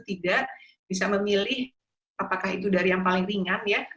tidak bisa memilih apakah itu dari yang paling ringan ya